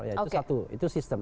itu satu itu sistem